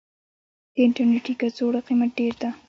د انټرنيټي کڅوړو قيمت ډير ده.